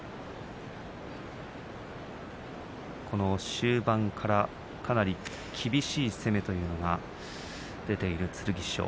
この終盤から、かなり厳しい攻めというのが出ている剣翔。